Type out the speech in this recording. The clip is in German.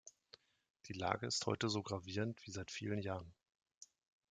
Die Lage ist heute so gravierend wie seit vielen Jahren.